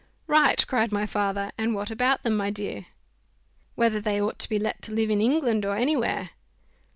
"Right," cried my father; "and what about them, my dear?" "Whether they ought to be let to live in England, or any where."